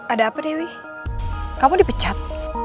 ada apa dewi kamu dipecat